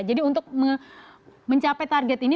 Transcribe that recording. jadi untuk mencapai target ini